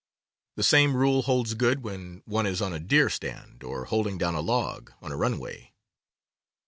The same rule holds good when one is on a deer stand, or "holding down a log" on a runway.